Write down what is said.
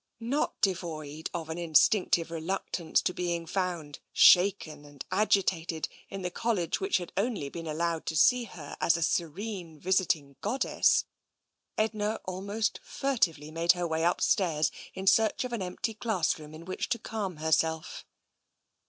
Not devoid of an instinctive reluctance to being found, shaken and agitated, in the College which had only been allowed to see her as a serene visiting goddess, Edna almost fur tively made her way upstairs in search of an empty classroom in which to calm herself.